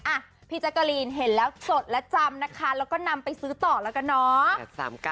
อ่ะพี่แจ๊กกะลีนเห็นแล้วจดและจำนะคะแล้วก็นำไปซื้อต่อแล้วกันเนาะ